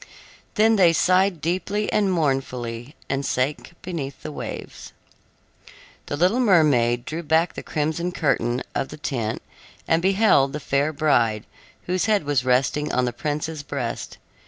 Then they sighed deeply and mournfully, and sank beneath the waves. The little mermaid drew back the crimson curtain of the tent and beheld the fair bride, whose head was resting on the prince's breast.